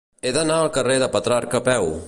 He d'anar al carrer de Petrarca a peu.